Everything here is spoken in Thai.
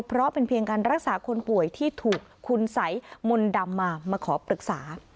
เพราะเป็นเพียงการรักษาคนป่วยที่ถูกคุณสัยมนต์ดำมามาขอปรึกษา